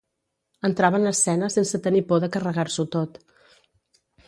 Entrava en escena sense tenir por de carregar-s'ho tot.